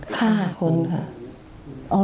ฆ่าคนค่ะ